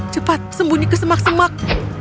cepat sembunyi ke semak semak